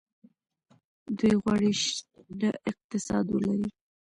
دوی غواړي شنه اقتصاد ولري.